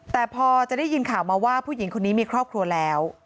แต่พอจะได้ยินข่าวมาว่าผู้หญิงคนนี้มีครอบครัวแล้ว